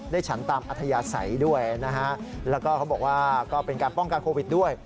ฉันตามอัธยาศัยด้วยนะฮะแล้วก็เขาบอกว่าก็เป็นการป้องกันโควิดด้วย